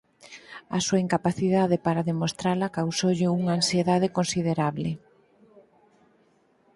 A súa incapacidade para demostrala causoulle unha ansiedade considerable.